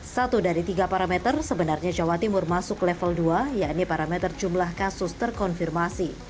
satu dari tiga parameter sebenarnya jawa timur masuk level dua yakni parameter jumlah kasus terkonfirmasi